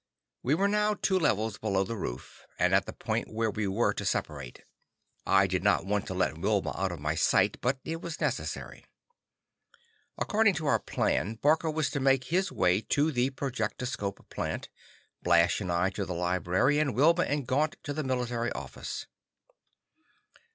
We were now two levels below the roof, and at the point where we were to separate. I did not want to let Wilma out of my sight, but it was necessary. According to our plan, Barker was to make his way to the projectoscope plant, Blash and I to the library, and Wilma and Gaunt to the military office.